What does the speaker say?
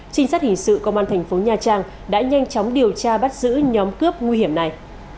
trinh sát hình sự công an thành phố nha trang đã nhanh chóng điều tra bắt giữ nhóm cướp nguy hiểm này